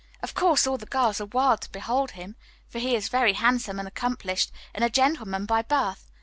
Of course all the girls are wild to behold him, for he is very handsome and accomplished, and a gentleman by birth.